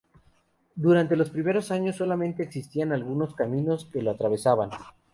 Durante los primeros años, solamente existían algunos caminos que lo atravesaban.